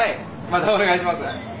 またお願いします。